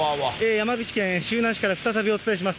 山口県周南市から再びお伝えします。